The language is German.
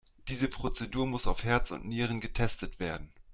Diese Prozedur muss auf Herz und Nieren getestet werden.